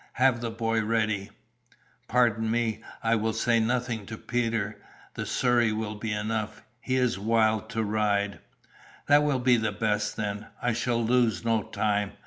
Have the boy ready " "Pardon me, I will say nothing to Peter. The surrey will be enough, he is wild to ride." "That will be best then. I shall lose no time.